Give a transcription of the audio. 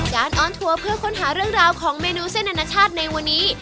ออนทัวร์เพื่อค้นหาเรื่องราวของเมนูเส้นอนาชาติในวันนี้